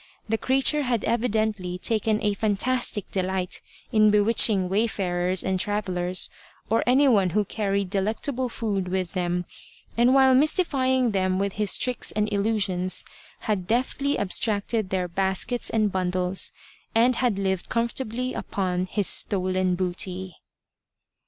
The creature had evidently taken a fantastic delight in bewitching wayfarers and travellers, or anyone who carried delectable food with them, and while mystify ing them with his tricks and illusions, had deftly ab stracted their baskets and bundles, and had lived comfortably upon his stolen booty.